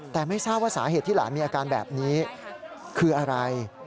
แต่ไม่ทราบว่าสาเหตุที่หลานมีอาการแบบนี้คืออะไร